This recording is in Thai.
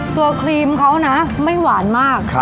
ตัวครีมเค้านะไม่หวานมาก